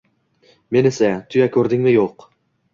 Men esa, tuya ko‘rdingmi yo‘q».